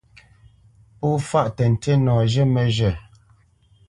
Pó fâʼ tə́ ntí nɔ zhə́ məzhə̂.